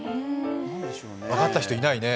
分かった人、いないね。